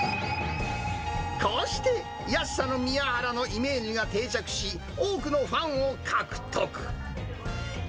こうして、安さのみやはらのイメージが定着し、多くのファンを獲得。